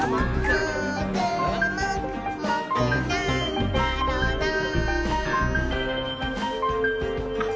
「もーくもくもくなんだろなぁ」